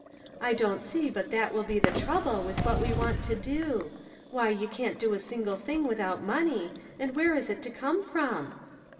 "I don't see but that will be the trouble with what we want to do. Why, you can't do a single thing without money; and where is it to come from?"